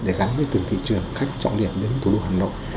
để gắn với từng thị trường khách trọng điểm đến thủ đô hà nội